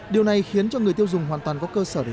điều này khiến cho người tiêu dùng hoàn toàn có cơ sở được